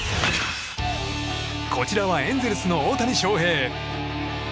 こちらはエンゼルスの大谷翔平。